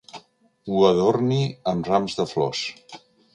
Ho adorni amb rams de flors.